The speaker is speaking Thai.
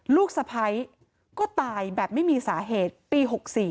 ลูกสะพ้ายก็ตายแบบไม่มีสาเหตุปี๖๔